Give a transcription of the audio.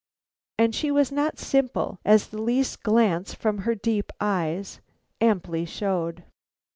And she was not simple, as the least glance from her deep eyes amply showed.